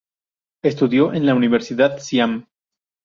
Estudió en la Universidad Siam.